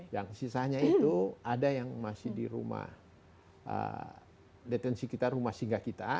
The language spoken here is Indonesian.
yang sisanya itu ada yang masih di rumah detensi kita rumah singgah kita